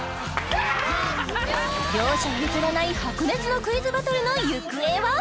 両者譲らない白熱のクイズバトルの行方は？